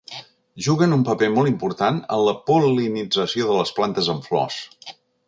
Juguen un paper molt important en la pol·linització de les plantes amb flors.